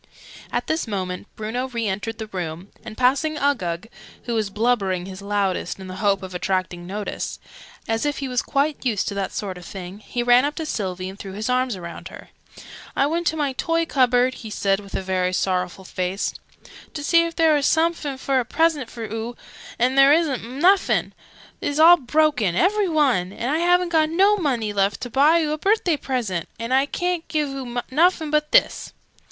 At this moment Bruno re entered the room, and passing Uggug (who was blubbering his loudest, in the hope of attracting notice) as if he was quite used to that sort of thing, he ran up to Sylvie and threw his arms round her. "I went to my toy cupboard," he said with a very sorrowful face, "to see if there were somefin fit for a present for oo! And there isn't nuffin! They's all broken, every one! And I haven't got no money left, to buy oo a birthday present! And I ca'n't give oo nuffin but this!"